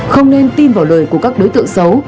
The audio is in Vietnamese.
không nên tin vào lời của các đối tượng xấu